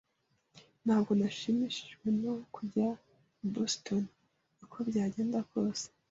Ntabwo nashimishijwe no kujya i Boston uko byagenda kose.